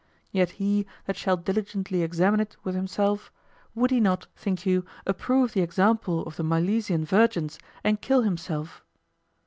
Yet he that shall diligently examine it with himself, would he not, think you, approve the example of the Milesian virgins and kill himself?